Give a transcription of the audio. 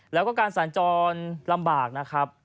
แล้วก็การสัญจรลำบากนะครับ